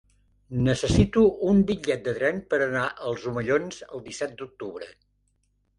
Necessito un bitllet de tren per anar als Omellons el disset d'octubre.